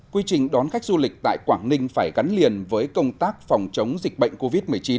quy trình đón khách du lịch tại quảng ninh phải gắn liền với công tác phòng chống dịch bệnh covid một mươi chín